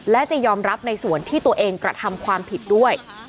และจะยอมรับในส่วนที่ตัวเองกระทำความผิดด้วย